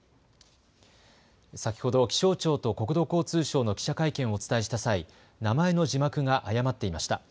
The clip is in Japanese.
先ほど、気象庁と国土交通省の記者会見をお伝えした際、名前の字幕が誤っていました。